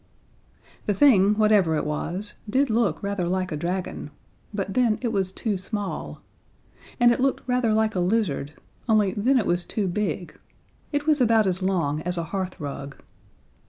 The thing, whatever it was, did look rather like a dragon but then it was too small; and it looked rather like a lizard only then it was too big. It was about as long as a hearthrug.